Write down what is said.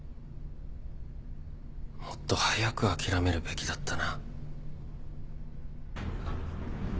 もっと早く諦めるべきだったな。